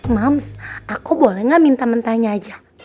mams aku boleh gak minta mentanya aja